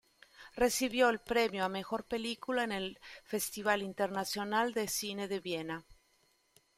Recibió el premio a mejor película en el Festival Internacional de Cine de Viena.